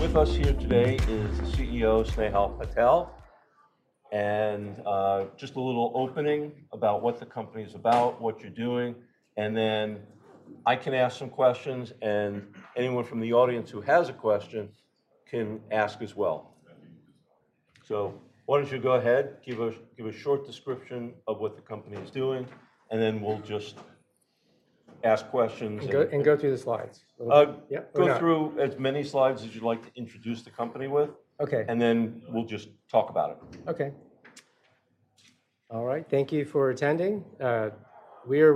With us here today is the CEO, Snehal Patel. Just a little opening about what the company is about, what you're doing, and then I can ask some questions, and anyone from the audience who has a question can ask as well. Why don't you go ahead, give a short description of what the company is doing, and then we'll just ask questions. Go through the slides? Yeah. Okay. Go through as many slides as you'd like to introduce the company with. Okay. We'll just talk about it. Okay. All right. Thank you for attending. We're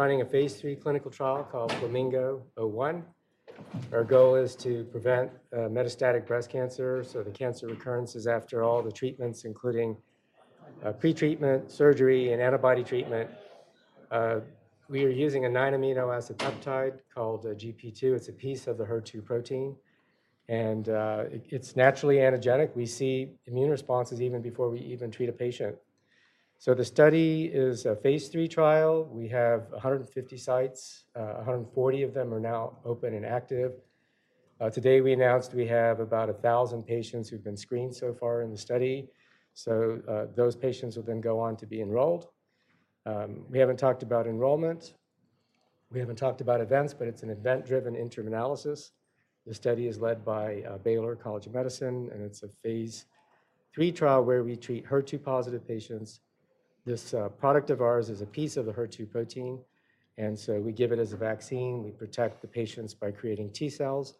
running a phase III clinical trial called FLAMINGO-01. Our goal is to prevent metastatic breast cancer, so the cancer recurrences after all the treatments, including pre-treatment, surgery, and antibody treatment. We are using a nine amino acid peptide called GP2. It's a piece of the HER2 protein, and it's naturally antigenic. We see immune responses even before we even treat a patient. The study is a phase III trial. We have 150 sites. 140 of them are now open and active. Today, we announced we have about 1,000 patients who've been screened so far in the study. Those patients will then go on to be enrolled. We haven't talked about enrollment. We haven't talked about events, but it's an event-driven interim analysis. The study is led by Baylor College of Medicine, it's a phase III trial where we treat HER2 positive patients. This product of ours is a piece of the HER2 protein, we give it as a vaccine. We protect the patients by creating T cells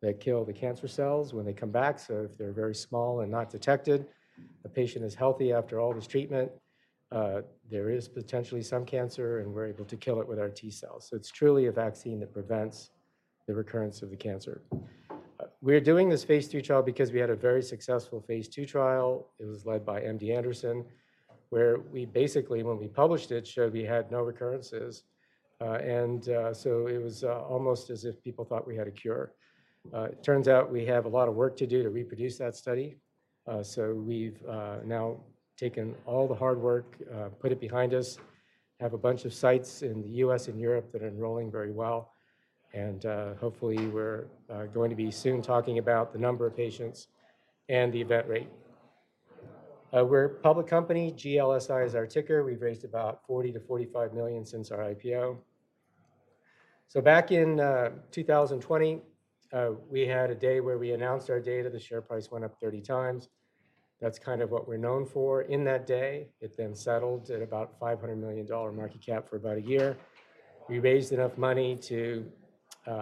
that kill the cancer cells when they come back. If they're very small and not detected, the patient is healthy after all this treatment. There is potentially some cancer, we're able to kill it with our T cells. It's truly a vaccine that prevents the recurrence of the cancer. We're doing this phase III trial because we had a very successful phase II trial. It was led by MD Anderson, where we basically, when we published it, showed we had no recurrences. It was almost as if people thought we had a cure. It turns out we have a lot of work to do to reproduce that study. We've now taken all the hard work, put it behind us, have a bunch of sites in the U.S. and Europe that are enrolling very well, hopefully, we're going to be soon talking about the number of patients and the event rate. We're a public company. GLSI is our ticker. We've raised about $40 million-$45 million since our IPO. Back in 2020, we had a day where we announced our data. The share price went up 30 times. That's kind of what we're known for in that day. It then settled at about $500 million market cap for about a year. We raised enough money to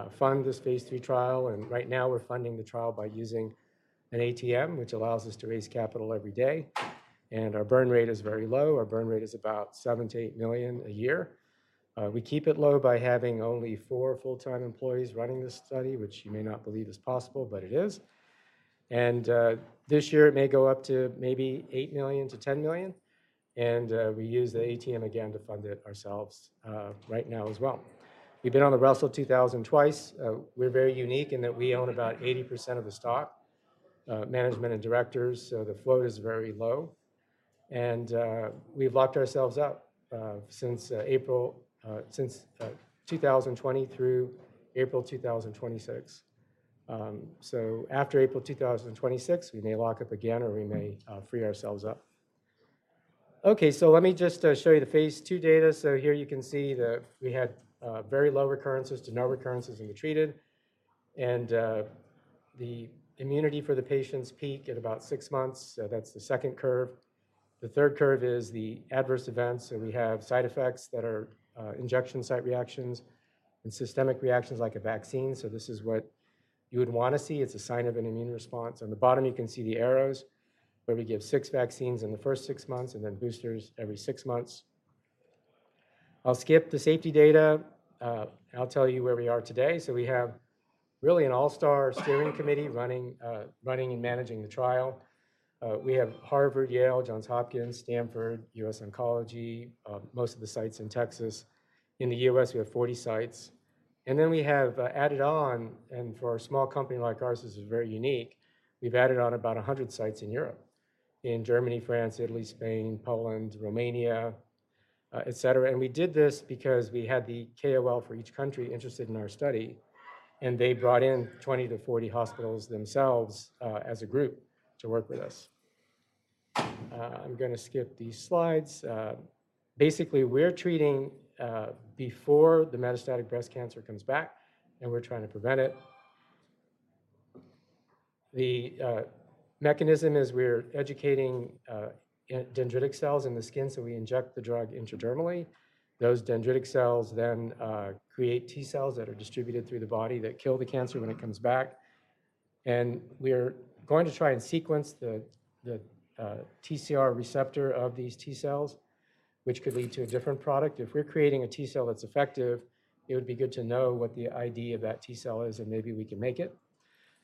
fund this phase III trial, right now we're funding the trial by using an ATM, which allows us to raise capital every day. Our burn rate is very low. Our burn rate is about $7 million-$8 million a year. We keep it low by having only four full-time employees running this study, which you may not believe is possible, but it is. This year it may go up to maybe $8 million-$10 million, and we use the ATM again to fund it ourselves right now as well. We've been on the Russell 2000 twice. We're very unique in that we own about 80% of the stock, management and directors, the flow is very low. We've locked ourselves up since 2020 through April 2026. After April 2026, we may lock up again, or we may free ourselves up. Okay. Let me just show you the phase II data. Here you can see that we had very low recurrences to no recurrences in the treated, and the immunity for the patients peak at about six months. That's the second curve. The third curve is the adverse events, and we have side effects that are injection site reactions and systemic reactions like a vaccine. This is what you would want to see. It's a sign of an immune response. On the bottom, you can see the arrows, where we give six vaccines in the first six months and then boosters every six months. I'll skip the safety data. I'll tell you where we are today. We have really an all-star steering committee running and managing the trial. We have Harvard, Yale, Johns Hopkins, Stanford, US Oncology, most of the sites in Texas. In the U.S., we have 40 sites. We have added on, and for a small company like ours, this is very unique, we've added on about 100 sites in Europe. In Germany, France, Italy, Spain, Poland, Romania, et cetera. We did this because we had the KOL for each country interested in our study, and they brought in 20 to 40 hospitals themselves as a group to work with us. I'm going to skip these slides. Basically, we're treating before the metastatic breast cancer comes back, and we're trying to prevent it. The mechanism is we're educating dendritic cells in the skin, so we inject the drug intradermally. Those dendritic cells then create T cells that are distributed through the body that kill the cancer when it comes back. We're going to try and sequence the TCR receptor of these T cells, which could lead to a different product. If we're creating a T cell that's effective, it would be good to know what the ID of that T cell is, and maybe we can make it.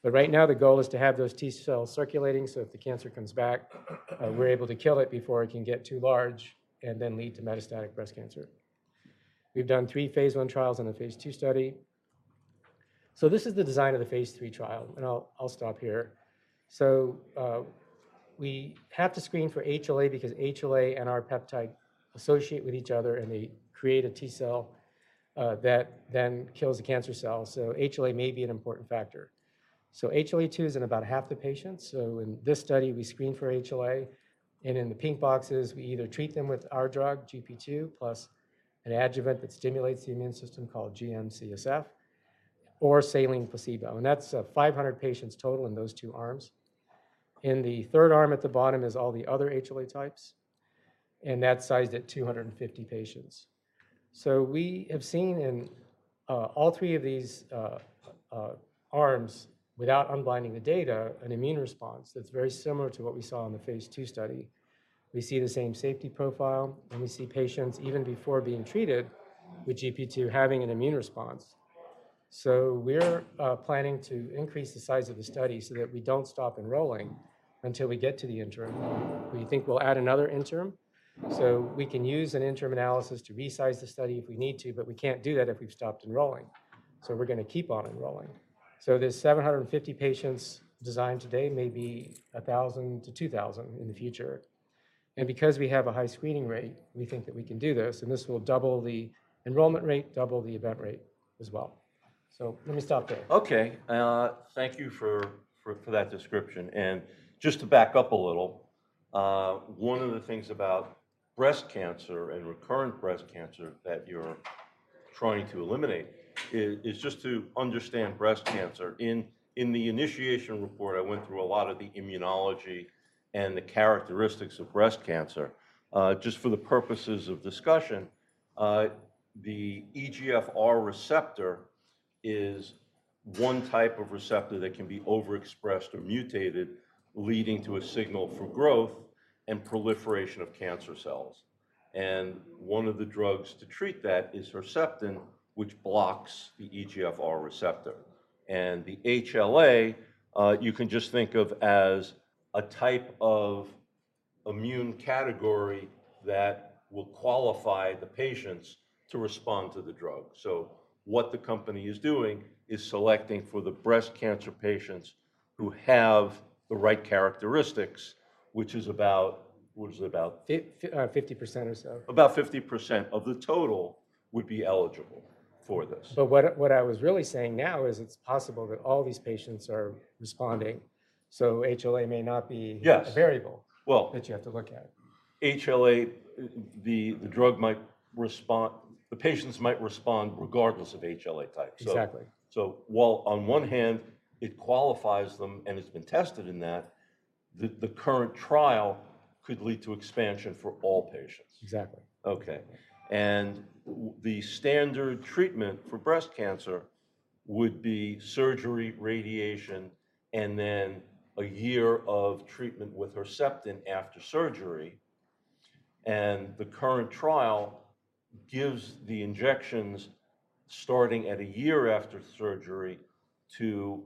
Right now, the goal is to have those T cells circulating, so if the cancer comes back, we're able to kill it before it can get too large and then lead to metastatic breast cancer. We've done three phase I trials and a phase II study. This is the design of the phase III trial, and I'll stop here. We have to screen for HLA because HLA and our peptide associate with each other, and they create a T cell that then kills the cancer cell. HLA may be an important factor. HLA-A2 is in about half the patients. In this study, we screen for HLA, and in the pink boxes, we either treat them with our drug, GP2, plus an adjuvant that stimulates the immune system called GM-CSF or saline placebo, and that's 500 patients total in those two arms. In the third arm at the bottom is all the other HLA types, and that's sized at 250 patients. We have seen in all three of these arms, without unblinding the data, an immune response that's very similar to what we saw in the phase II study. We see the same safety profile, and we see patients even before being treated with GP2 having an immune response. We're planning to increase the size of the study so that we don't stop enrolling until we get to the interim. We think we'll add another interim. We can use an interim analysis to resize the study if we need to, we can't do that if we've stopped enrolling. We're going to keep on enrolling. This 750 patients design today may be 1,000 to 2,000 in the future. Because we have a high screening rate, we think that we can do this, and this will double the enrollment rate, double the event rate as well. Let me stop there. Okay. Thank you for that description. Just to back up a little, one of the things about breast cancer and recurrent breast cancer that you're trying to eliminate is just to understand breast cancer. In the initiation report, I went through a lot of the immunology and the characteristics of breast cancer. Just for the purposes of discussion, the EGFR receptor is one type of receptor that can be overexpressed or mutated, leading to a signal for growth and proliferation of cancer cells. One of the drugs to treat that is Herceptin, which blocks the EGFR receptor. The HLA, you can just think of as a type of immune category that will qualify the patients to respond to the drug. What the company is doing is selecting for the breast cancer patients who have the right characteristics, which is about What is it about? 50% or so. About 50% of the total would be eligible for this. What I was really saying now is it's possible that all these patients are responding, so HLA may not be. Yes a variable. Well that you have to look at. HLA, the patients might respond regardless of HLA type. Exactly. While on one hand it qualifies them and it's been tested in that, the current trial could lead to expansion for all patients. Exactly. Okay. The standard treatment for breast cancer would be surgery, radiation, then a year of treatment with Herceptin after surgery, the current trial gives the injections starting at a year after surgery to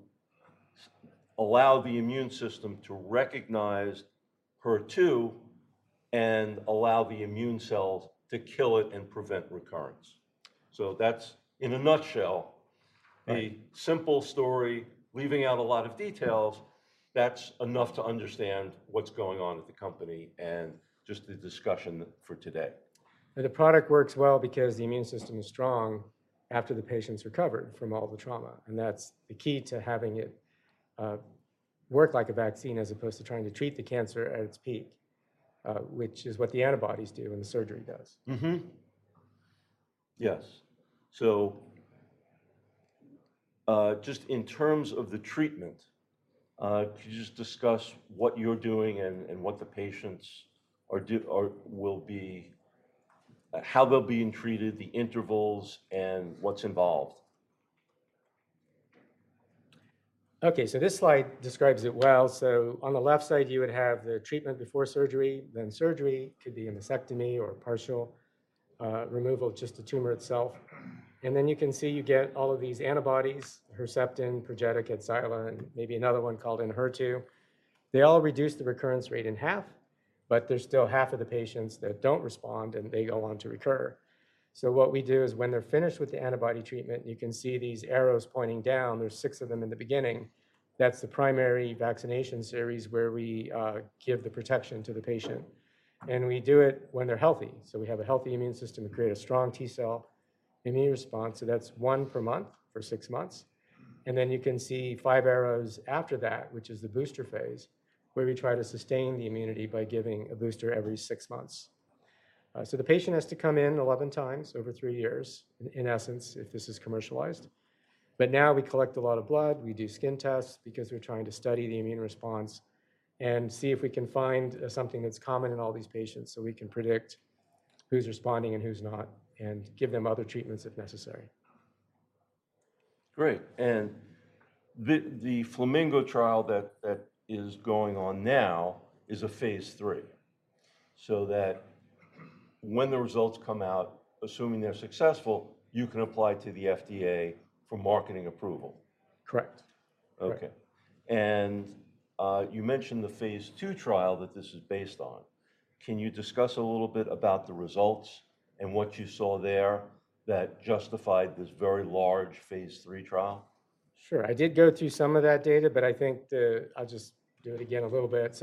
allow the immune system to recognize HER2 and allow the immune cells to kill it and prevent recurrence. That's, in a nutshell. Right a simple story. Leaving out a lot of details, that's enough to understand what's going on with the company and just the discussion for today. The product works well because the immune system is strong after the patient's recovered from all the trauma, that's the key to having it work like a vaccine as opposed to trying to treat the cancer at its peak, which is what the antibodies do and the surgery does. Yes. Just in terms of the treatment, could you just discuss what you're doing and what the patients how they're being treated, the intervals, and what's involved? Okay, this slide describes it well. On the left side, you would have the treatment before surgery, then surgery. It could be a mastectomy or a partial removal of just the tumor itself. Then you can see you get all of these antibodies, Herceptin, PERJETA, KADCYLA, and maybe another one called ENHERTU. They all reduce the recurrence rate in half, there's still half of the patients that don't respond, and they go on to recur. What we do is when they're finished with the antibody treatment, you can see these arrows pointing down. There's six of them in the beginning. That's the primary vaccination series where we give the protection to the patient, and we do it when they're healthy. We have a healthy immune system. We create a strong T-cell immune response, that's one per month for six months. Then you can see five arrows after that, which is the booster phase, where we try to sustain the immunity by giving a booster every six months. The patient has to come in 11 times over three years, in essence, if this is commercialized. Now we collect a lot of blood. We do skin tests because we're trying to study the immune response and see if we can find something that's common in all these patients, we can predict who's responding and who's not and give them other treatments if necessary. Great. The FLAMINGO trial that is going on now is a phase III, that when the results come out, assuming they're successful, you can apply to the FDA for marketing approval. Correct. Okay. You mentioned the phase II trial that this is based on. Can you discuss a little bit about the results and what you saw there that justified this very large phase III trial? Sure. I did go through some of that data, I think I'll just do it again a little bit.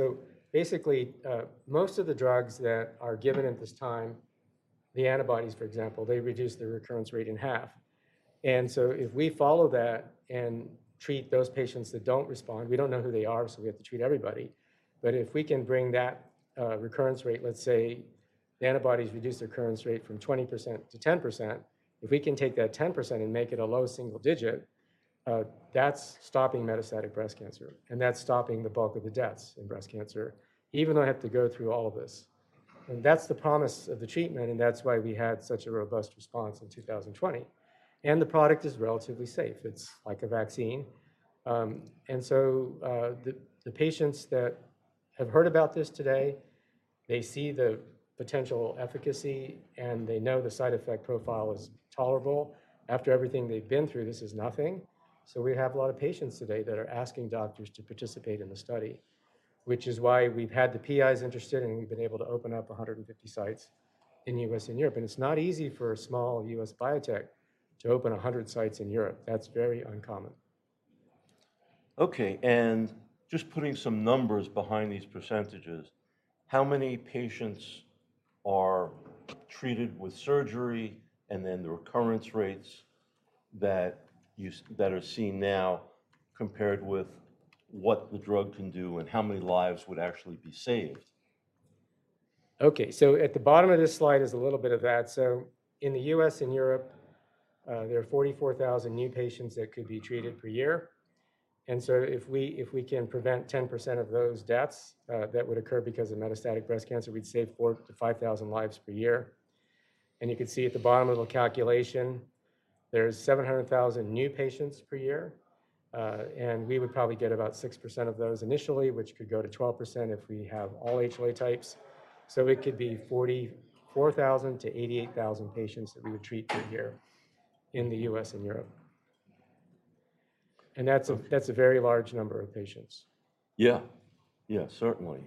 Basically, most of the drugs that are given at this time, the antibodies, for example, they reduce the recurrence rate in half. If we follow that and treat those patients that don't respond, we don't know who they are, so we have to treat everybody. If we can bring that recurrence rate, let's say the antibodies reduce the recurrence rate from 20% to 10%, if we can take that 10% and make it a low single digit, that's stopping metastatic breast cancer, and that's stopping the bulk of the deaths in breast cancer, even though I have to go through all of this. That's the promise of the treatment, and that's why we had such a robust response in 2020. The product is relatively safe. It's like a vaccine. The patients that have heard about this today, they see the potential efficacy, and they know the side effect profile is tolerable. After everything they've been through, this is nothing. We have a lot of patients today that are asking doctors to participate in the study, which is why we've had the PIs interested, and we've been able to open up 150 sites in U.S. and Europe. It's not easy for a small U.S. biotech to open 100 sites in Europe. That's very uncommon. Okay. Just putting some numbers behind these percentages, how many patients are treated with surgery? Then the recurrence rates that are seen now compared with what the drug can do, and how many lives would actually be saved? At the bottom of this slide is a little bit of that. In the U.S. and Europe, there are 44,000 new patients that could be treated per year. If we can prevent 10% of those deaths that would occur because of metastatic breast cancer, we'd save 4,000 to 5,000 lives per year. You can see at the bottom, a little calculation. There's 700,000 new patients per year. We would probably get about 6% of those initially, which could go to 12% if we have all HLA types. It could be 44,000 to 88,000 patients that we would treat per year in the U.S. and Europe. That's a very large number of patients. Yeah. Certainly.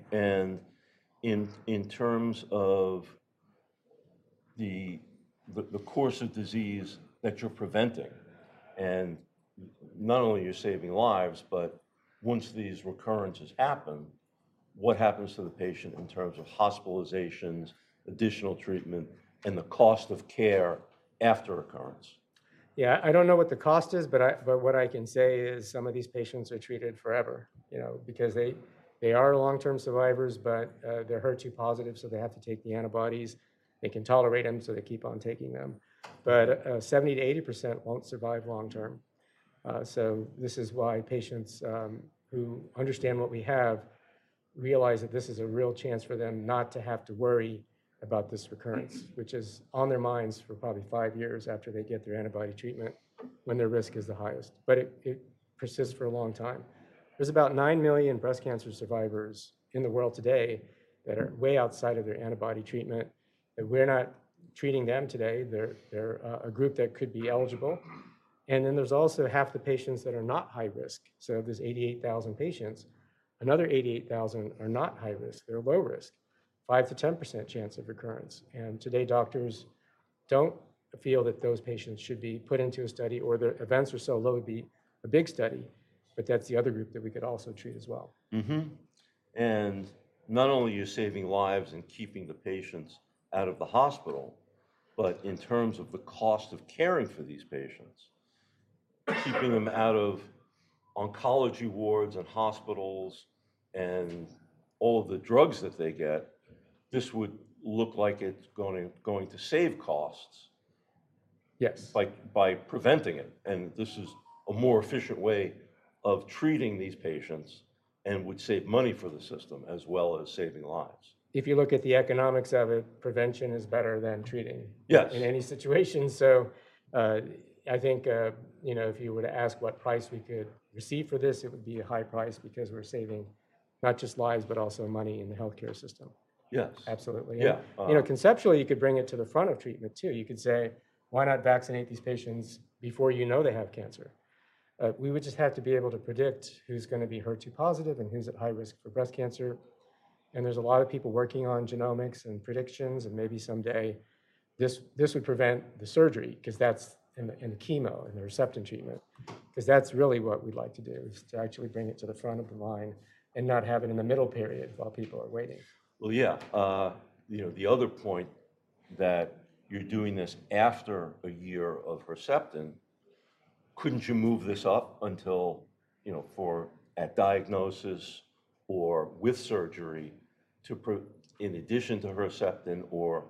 In terms of the course of disease that you're preventing, not only you're saving lives, but once these recurrences happen, what happens to the patient in terms of hospitalizations, additional treatment, and the cost of care after recurrence? I don't know what the cost is, but what I can say is some of these patients are treated forever. They are long-term survivors, but they're HER2 positive, so they have to take the antibodies. They can tolerate them, so they keep on taking them. 70%-80% won't survive long term. This is why patients who understand what we have realize that this is a real chance for them not to have to worry about this recurrence, which is on their minds for probably five years after they get their antibody treatment when their risk is the highest. It persists for a long time. There's about nine million breast cancer survivors in the world today that are way outside of their antibody treatment, that we're not treating them today. They're a group that could be eligible. There's also half the patients that are not high risk. Of these 88,000 patients, another 88,000 are not high risk. They're low risk, 5%-10% chance of recurrence. Today, doctors don't feel that those patients should be put into a study or the events are so low, it'd be a big study. That's the other group that we could also treat as well. Not only are you saving lives and keeping the patients out of the hospital, but in terms of the cost of caring for these patients, keeping them out of oncology wards and hospitals and all of the drugs that they get, this would look like it's going to save costs. Yes By preventing it. This is a more efficient way of treating these patients and would save money for the system as well as saving lives. If you look at the economics of it, prevention is better than treating. Yes In any situation. I think if you were to ask what price we could receive for this, it would be a high price because we're saving not just lives, but also money in the healthcare system. Yes. Absolutely. Yeah. Conceptually, you could bring it to the front of treatment too. You could say, "Why not vaccinate these patients before you know they have cancer?" We would just have to be able to predict who's going to be HER2 positive and who's at high risk for breast cancer. There's a lot of people working on genomics and predictions, and maybe someday this would prevent the surgery, and the chemo, and the Herceptin treatment, because that's really what we'd like to do, is to actually bring it to the front of the line and not have it in the middle period while people are waiting. Well, yeah. The other point that you're doing this after a year of Herceptin, couldn't you move this up until at diagnosis or with surgery in addition to Herceptin or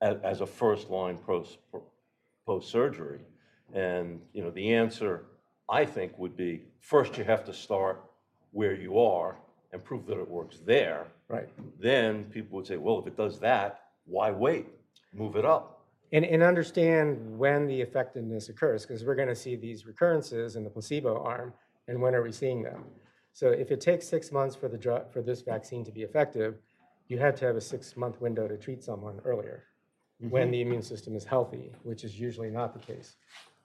as a first-line post-surgery? The answer, I think, would be, first, you have to start where you are and prove that it works there. Right. People would say, "Well, if it does that, why wait? Move it up. Understand when the effectiveness occurs, because we're going to see these recurrences in the placebo arm, and when are we seeing them? If it takes six months for this vaccine to be effective, you have to have a six-month window to treat someone earlier when the immune system is healthy, which is usually not the case.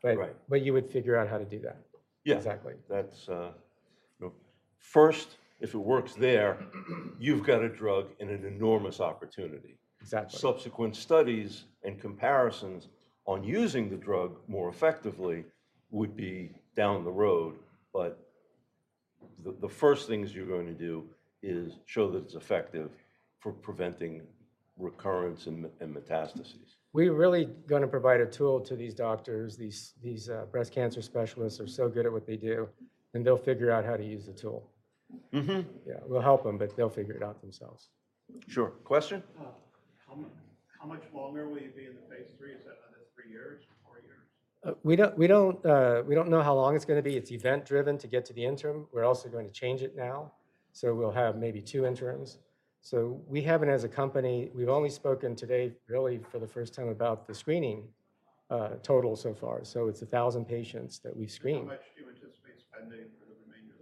Right. You would figure out how to do that. Yeah. Exactly. First, if it works there, you've got a drug and an enormous opportunity. Exactly. Subsequent studies and comparisons on using the drug more effectively would be down the road, but the first things you're going to do is show that it's effective for preventing recurrence and metastases. We're really going to provide a tool to these doctors. These breast cancer specialists are so good at what they do, and they'll figure out how to use the tool. Yeah. We'll help them, but they'll figure it out themselves. Sure. Question? How much longer will you be in the phase III? Is that another three years, four years? We don't know how long it's going to be. It's event driven to get to the interim. We're also going to change it now, so we'll have maybe two interims. We haven't as a company, we've only spoken today really for the first time about the screening, total so far. It's 1,000 patients that we've screened. How much do you anticipate spending for the remainder of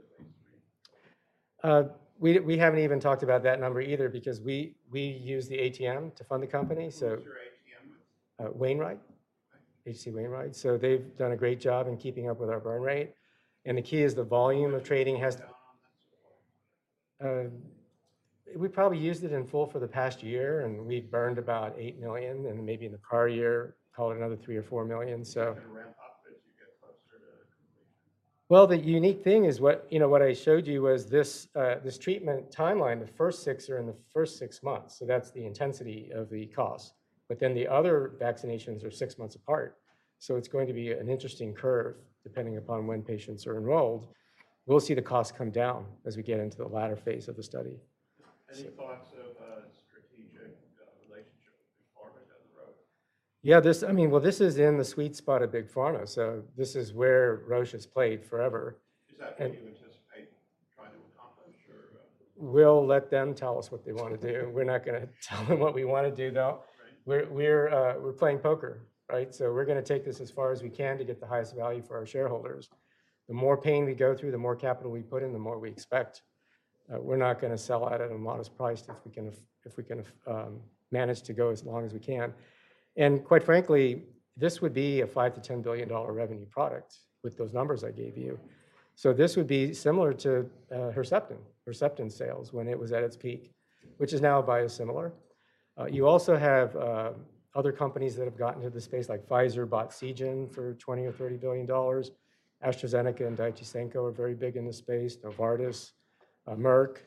the phase III? We haven't even talked about that number either, because we use the ATM to fund the company. Who is your ATM with? Wainwright. Wainwright. H.C. Wainwright. They've done a great job in keeping up with our burn rate, and the key is the volume of trading. How much have you gone on this for? We probably used it in full for the past year. We've burned about $8 million. Maybe in the prior year, call it another $3 or $4 million. Is it going to ramp up as you get closer to completion? The unique thing is what I showed you was this treatment timeline. The first six are in the first six months. That's the intensity of the cost. The other vaccinations are six months apart, it's going to be an interesting curve, depending upon when patients are enrolled. We'll see the cost come down as we get into the latter phase of the study. Any thoughts of a strategic relationship with Big Pharma down the road? Yeah. Well, this is in the sweet spot of Big Pharma, so this is where Roche has played forever. Is that what you anticipate trying to accomplish or- We'll let them tell us what they want to do. We're not going to tell them what we want to do, though. Right. We're playing poker, right? We're going to take this as far as we can to get the highest value for our shareholders. The more pain we go through, the more capital we put in, the more we expect. We're not going to sell out at a modest price if we can manage to go as long as we can. Quite frankly, this would be a $5 billion-$10 billion revenue product with those numbers I gave you. This would be similar to Herceptin sales when it was at its peak, which is now biosimilar. You also have other companies that have gotten into this space, like Pfizer bought Seagen for $20 billion or $30 billion. AstraZeneca and Daiichi Sankyo are very big in this space, Novartis, Merck.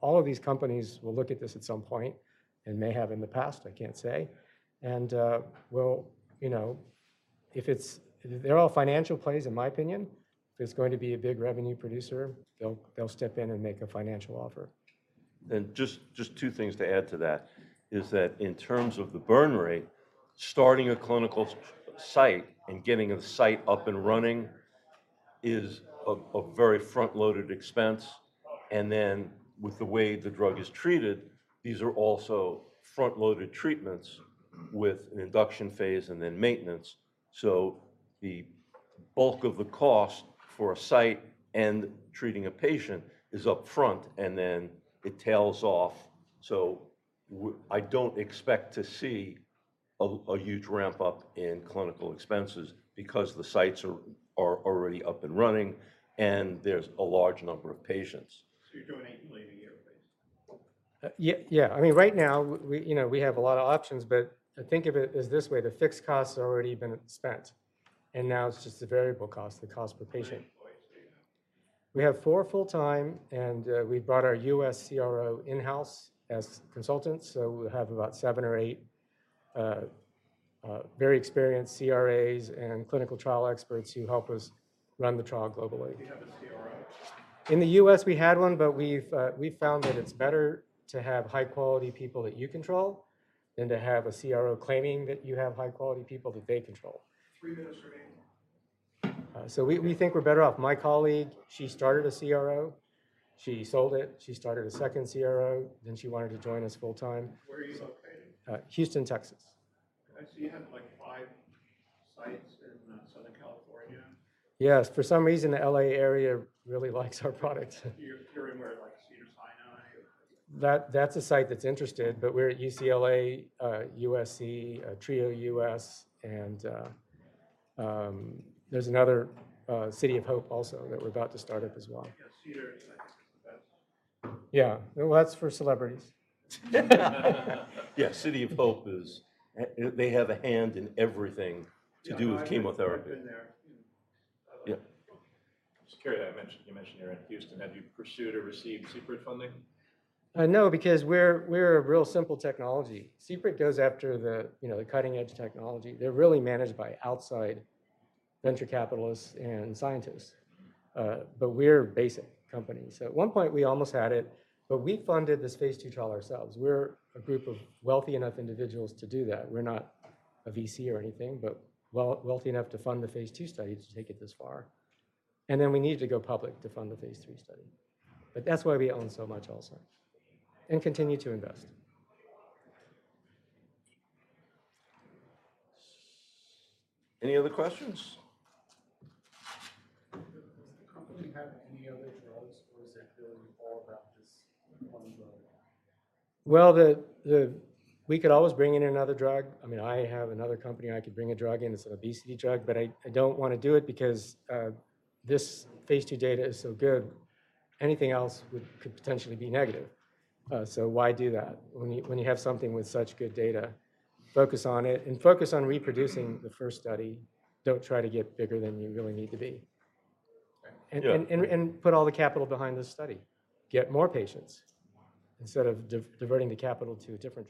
All of these companies will look at this at some point, and may have in the past, I can't say. They're all financial plays, in my opinion. If it's going to be a big revenue producer, they'll step in and make a financial offer. Just two things to add to that is that in terms of the burn rate, starting a clinical site and getting a site up and running is a very front-loaded expense. Then with the way the drug is treated, these are also front-loaded treatments with an induction phase and then maintenance. The bulk of the cost for a site and treating a patient is up front, and then it tails off. I don't expect to see a huge ramp-up in clinical expenses because the sites are already up and running, and there's a large number of patients. You're doing it later year, basically? Yeah. Right now, we have a lot of options, but think of it as this way, the fixed costs have already been spent, and now it's just the variable cost, the cost per patient. How many employees do you have? We have four full-time, and we brought our U.S. CRO in-house as consultants. We have about seven or eight very experienced CRAs and clinical trial experts who help us run the trial globally. Do you have a CRO? In the U.S., we had one, but we've found that it's better to have high-quality people that you control than to have a CRO claiming that you have high-quality people that they control. Three minutes remaining. We think we're better off. My colleague, she started a CRO. She sold it. She started a second CRO, then she wanted to join us full time. Where are you located? Houston, Texas. I see you have, like, five sites in Southern California. Yes. For some reason, the L.A. area really likes our product. You're in where? Like Cedars-Sinai. That's a site that's interested, but we're at UCLA, USC, TRIO-US, and there's another, City of Hope also that we're about to start up as well. Yeah, Cedars-Sinai is the best. Yeah. Well, that's for celebrities. Yeah, City of Hope, they have a hand in everything to do with chemotherapy. I've been there. Yeah. Just curious, you mentioned you're in Houston. Have you pursued or received CPRIT funding? No, because we're a real simple technology. CPRIT goes after the cutting-edge technology. They're really managed by outside venture capitalists and scientists. We're a basic company. At one point, we almost had it, but we funded this phase II trial ourselves. We're a group of wealthy enough individuals to do that. We're not a VC or anything, but wealthy enough to fund the phase II study to take it this far. We needed to go public to fund the phase III study. That's why we own so much also, and continue to invest. Any other questions? Does the company have any other drugs, or is it really all around just one drug? Well, we could always bring in another drug. I have another company I could bring a drug in. It's an obesity drug, but I don't want to do it because this phase II data is so good. Anything else could potentially be negative. Why do that? When you have something with such good data, focus on it and focus on reproducing the first study. Don't try to get bigger than you really need to be. Okay. Yeah. Put all the capital behind this study. Get more patients instead of diverting the capital to a different drug.